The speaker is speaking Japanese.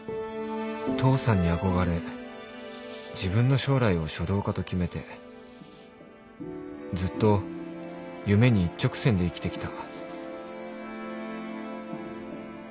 父さんに憧れ自分の将来を書道家と決めてずっと夢に一直線で生きてきた